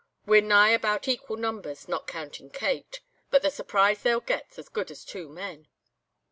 We're nigh about equal members, not countin' Kate, but the surprise they'll get's as good as two men.